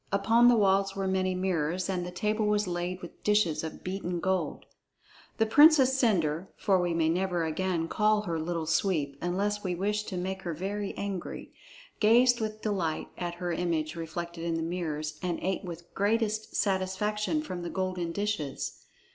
Upon the walls were many mirrors, and the table was laid with dishes of beaten gold. The Princess Cendre (for we may never again call her Little Sweep, unless we wish to make her very angry) gazed with delight at her image reflected in the mirrors and ate with greatest satisfaction from the golden dishes.